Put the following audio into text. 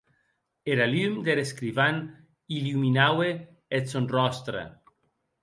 Era lum der escrivan illuminaue eth sòn ròstre.